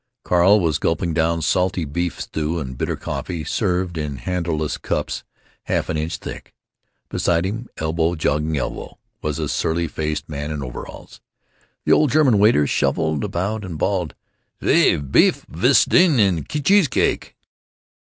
Carl was gulping down salty beef stew and bitter coffee served in handleless cups half an inch thick. Beside him, elbow jogging elbow, was a surly faced man in overalls. The old German waiters shuffled about and bawled, "Zwei bif stew, ein cheese cake."